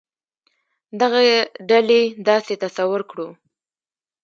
دغه ډلې داسې تصور کړو.